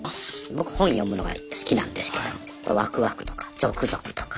僕本を読むのが好きなんですけどワクワクとかゾクゾクとか。